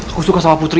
aku suka sama putri